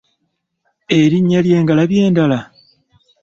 Erinnya ly'engalabi eddala?